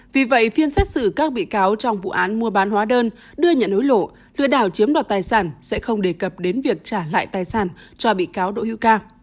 vì vậy phiên xét xử các bị cáo trong vụ án mua bán hóa đơn đưa nhận hối lộ lừa đảo chiếm đoạt tài sản sẽ không đề cập đến việc trả lại tài sản cho bị cáo đỗ hữu ca